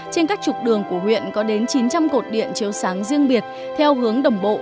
trên các trục đường của huyện có đến chín trăm linh cột điện chiếu sáng riêng biệt theo hướng đồng bộ